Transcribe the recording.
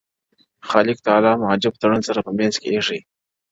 • خالق تعالی مو عجيبه تړون په مينځ کي ايښی ـ